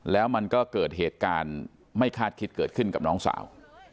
แล้วมันก็เกิดเหตุการณ์ไม่คาดคิดเกิดขึ้นกับน้องสาว